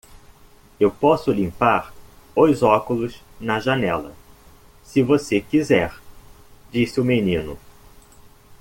"Eu posso limpar os óculos na janela? se você quiser?" disse o menino.